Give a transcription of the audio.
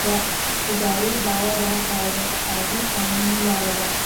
اداري دعوه د حق د اعادې قانوني لاره ده.